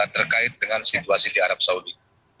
terkait dengan situasi di arab saudi